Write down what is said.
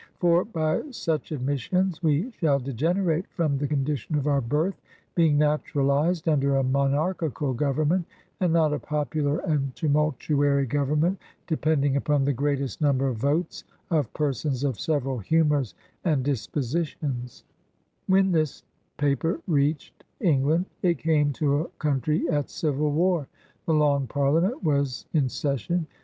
For, by such admissions, we shall d^enerate from the condition of our birth, being naturalized imder a mon archical government and not a popular and tumul tuary government depending upon the greatest number of votes of persons of several humours and dispositions/' When this paper reached England, it came to a country at civil war. The Long Parliament was in session.